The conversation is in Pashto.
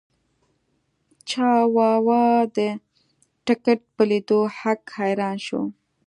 چاواوا د ټکټ په لیدو هک حیران شو.